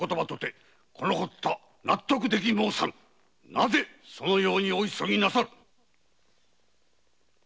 なぜそのようにお急ぎなさる！